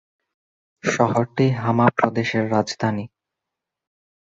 শহরটি হামা প্রদেশের রাজধানী।